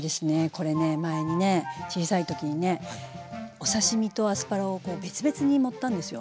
これね前にね小さい時にねお刺身とアスパラを別々に盛ったんですよ。